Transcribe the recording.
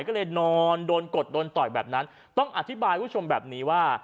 ก็เลยนอนโดนกดโดนต่อยแบบนั้นต้องอธิบายคุณผู้ชมแบบนี้ว่า